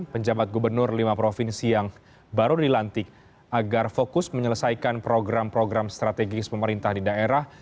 penjabat gubernur lima provinsi yang baru dilantik agar fokus menyelesaikan program program strategis pemerintah di daerah